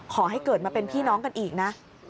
ขอให้เกิดมาเป็นพี่น้องกันอีกนะ